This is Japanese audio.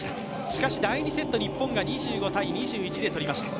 しかし、第２セット、日本が２５−２１で取りました。